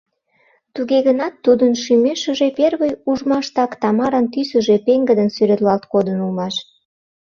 Туге гынат, тудын шӱмешыже первый ужмаштак Тамаран тӱсыжӧ пеҥгыдын сӱретлалт кодын улмаш.